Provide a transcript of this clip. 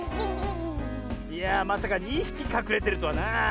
いやあまさか２ひきかくれてるとはなあ。